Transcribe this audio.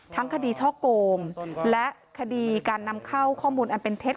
ทั้งคดีช่อโกงและคดีการนำเข้าข้อมูลอันเป็นเท็จ